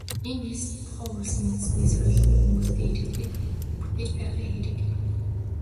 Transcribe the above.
Иймээс, тухайн улс үндэстний соёл нь хүмүүсээ, иргэдээ бүтээж байгаа хэрэг юм.